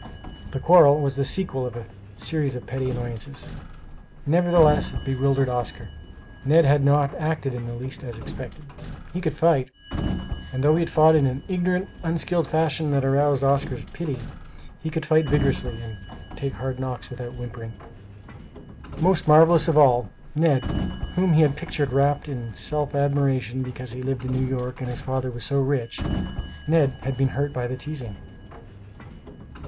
The quarrel was the sequel of a series of petty annoyances. Nevertheless it bewildered Oscar. Ned had not acted in the least as expected. He could fight; and though he fought in an ignorant, unskilful fashion that aroused Oscar's pity, he could fight vigorously, and take hard knocks without whimpering. Most marvelous of all, "Ned" whom he had pictured wrapt in self admiration because he lived in New York and his father was so rich Ned had been hurt by the teasing.